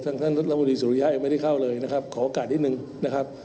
ท่านท่านละบุรีสุริยะยังไม่ได้เข้าเลยนะครับขอโอกาสนิดนึงนะครับ